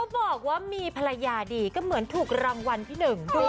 บอกว่ามีภรรยาดีก็เหมือนถูกรางวัลที่หนึ่งด้วย